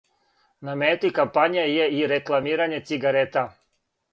На мети кампање је и рекламирање цигарета.